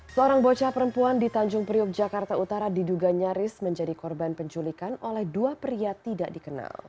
seorang bocah perempuan di tanjung priok jakarta utara diduga nyaris menjadi korban penculikan oleh dua pria tidak dikenal